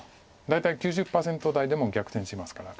大体９０％台でも逆転しますから。